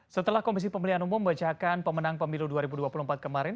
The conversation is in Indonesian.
setelah komisi pemilihan umum membacakan pemenang pemilu dua ribu dua puluh empat kemarin